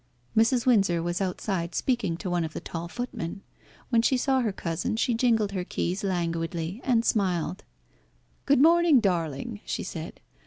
Mrs. Windsor was outside speaking to one of the tall footmen. When she saw her cousin she jingled her keys languidly and smiled. "Good morning, darling," she said.